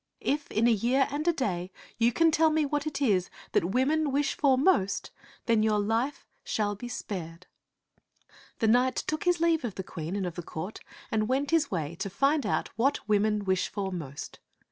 If in a year and a day you can tell me what it is that women wish for most, then your life shall be spared." The knight took his leave of the Queen and the t^t TX)ife of (gatf tat^ 1 1 7 court and went his way to find out what women wish for most.